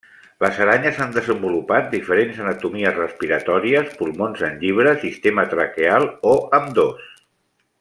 Les aranyes han desenvolupat diferents anatomies respiratòries, pulmons en llibre, sistema traqueal, o ambdós.